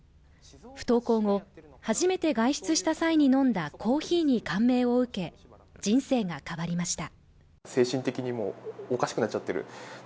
不登校後、初めて外出した際に飲んだコーヒーに感銘を受け、人生が変わりました。